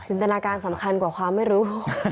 ตนาการสำคัญกว่าความไม่รู้